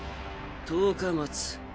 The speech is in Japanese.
１０日待つ。